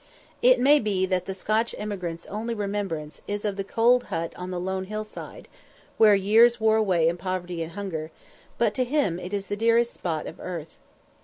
It may be that the Scotch emigrant's only remembrance is of the cold hut on the lone hill side, where years wore away in poverty and hunger, but to him it is the dearest spot of earth.